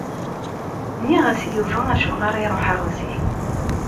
Nniɣ-as i Yuba acuɣer i ṛuḥeɣ zik.